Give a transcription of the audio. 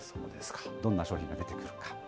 どんな商品が出てくるか。